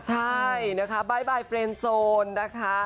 ใช่นะคะบ๊ายบายเฟรนโซนนะคะ